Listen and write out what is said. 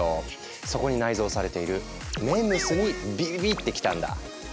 そこに内蔵されているＭＥＭＳにビビビってきたんだ。